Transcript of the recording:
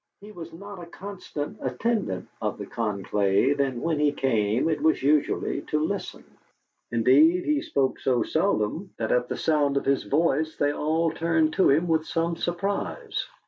He was not a constant attendant of the conclave, and when he came it was usually to listen; indeed, he spoke so seldom that at the sound of his voice they all turned to him with some surprise.